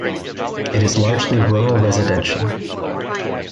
It is largely rural residential.